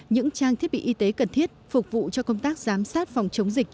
những trang thiết bị y tế cần thiết phục vụ cho công tác giám sát phòng chống dịch